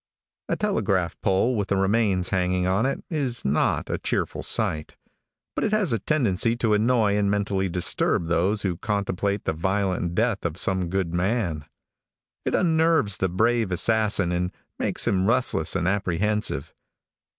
A telegraph pole with a remains hanging on it is not a cheerful sight, but it has a tendency to annoy and mentally disturb those who contemplate the violent death of some good man. It unnerves the brave assassin and makes him restless and apprehensive.